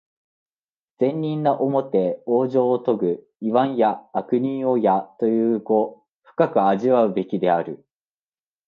善人なおもて往生をとぐ、いわんや悪人をやという語、深く味わうべきである。